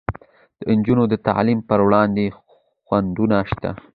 د نجونو د تعلیم پر وړاندې خنډونه شته.